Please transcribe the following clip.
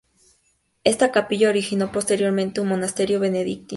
En esta capilla originó posteriormente un monasterio benedictino.